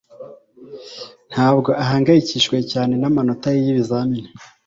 ntabwo ahangayikishijwe cyane namanota ye y'ibizamini